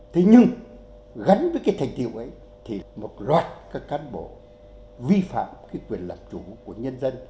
thế nhưng gắn với cái thành tiệu ấy thì một loạt các cán bộ vi phạm cái quyền làm chủ của nhân dân